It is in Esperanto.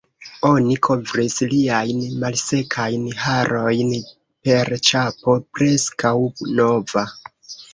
Oni kovris liajn malsekajn harojn per ĉapo preskaŭ nova.